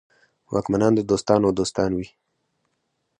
واکمنان د دوستانو دوستان وي.